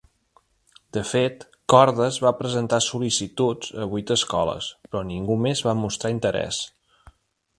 De fet, Cordes va presentar sol·licituds a vuit escoles, però ningú més va mostrar interès.